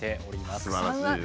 すばらしいね。